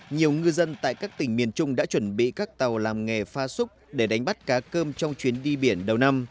nhiều ngư dân tại các tỉnh miền trung đã chuẩn bị các tàu làm nghề pha súc để đánh bắt cá cơm trong chuyến đi biển đầu năm